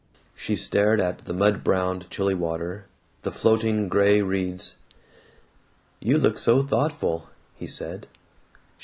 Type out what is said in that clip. She stared at the mud browned chilly water, the floating gray reeds. "You look so thoughtful," he said.